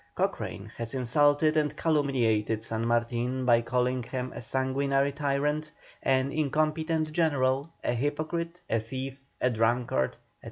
Cochrane has insulted and calumniated San Martin by calling him a sanguinary tyrant, an incompetent general, a hypocrite, a thief, a drunkard, &c.